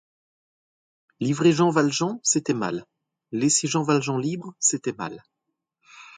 Livrer Jean Valjean, c'était mal; laisser Jean Valjean libre, c'était mal.